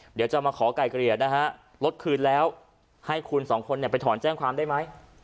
เดี๋ยวจะมาขอไก่เกลี่ยนะฮะรถคืนแล้วให้คุณสองคนไปถอนแจ้งความได้ไหม